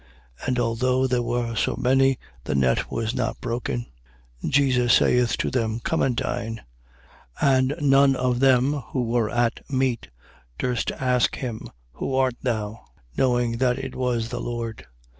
And although there were so many, the net was not broken. 21:12. Jesus saith to them: Come and dine. And none of them who were at meat, durst ask him: Who art thou? Knowing that it was the Lord. 21:13.